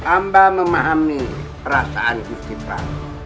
amba memahami perasaan gusti prabu